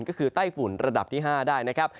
ก็คือไต้ฝุ่นระดับที่๕ได้นะครับ